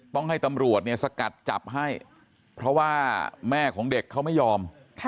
ต้องให้ตำรวจเนี่ยสกัดจับให้เพราะว่าแม่ของเด็กเขาไม่ยอม